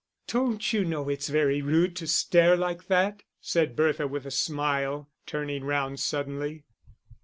"Don't you know it's very rude to stare like that," said Bertha, with a smile, turning round suddenly.